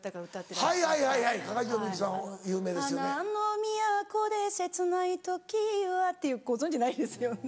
花の都でせつないときはっていうご存じないですよね